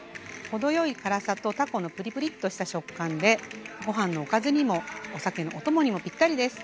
程よい辛さとたこのプリプリッとした食感でごはんのおかずにもお酒のお供にもぴったりです。